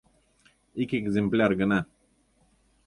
Ик экземпляр гына.